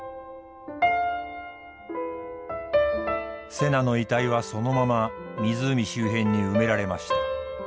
瀬名の遺体はそのまま湖周辺に埋められました。